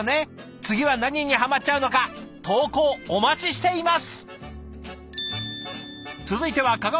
次は何にハマっちゃうのか投稿お待ちしています！